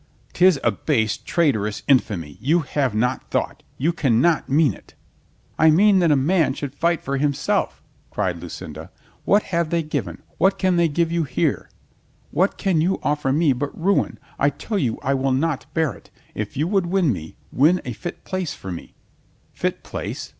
'Tis a base, traitorous infamy. You have not thought. You can not mean it." "I mean that a man should fight for himself," cried Lucinda. "What have they given, what can they give you here? What can you offer me but ruin ? I tell you I will not bear it. If you would win me, win a fit place for me." "Fit place?